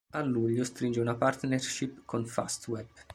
A luglio stringe una partnership con Fastweb.